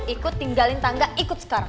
ikut tinggalin tangga ikut sekarang